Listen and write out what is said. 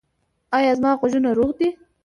ایا زما غوږونه روغ دي؟